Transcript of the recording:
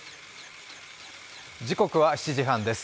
時刻は７時半です。